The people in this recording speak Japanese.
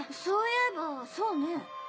そういえばそうね。